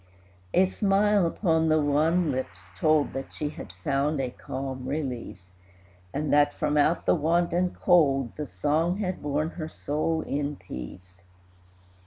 A smile upon the wan lips told That she had found a calm release, And that, from out the want and cold, The song had borne her soul in peace.